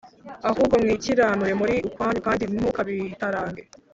ahubwo mwikiranure muri ukwanyu, kandi ntukabitarange,